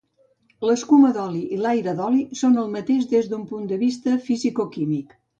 L’escuma d’oli i l'aire d'oli són el mateix des d’un punt de vista fisicoquímic.